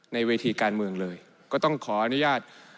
ในเวทีการเมืองเลยก็ต้องขออนุญาต